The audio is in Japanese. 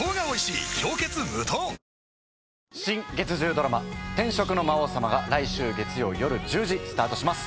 あ新月１０ドラマ『転職の魔王様』が来週月曜夜１０時スタートします。